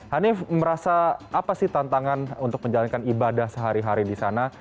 hanif merasa apa sih tantangan untuk menjalankan ibadah sehari hari di sana